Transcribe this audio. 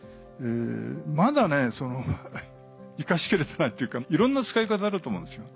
まだ生かし切れてないっていうかいろんな使い方があると思うんですよ。